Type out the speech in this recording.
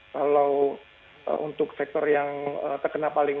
kalau untuk sektor yang terkena paling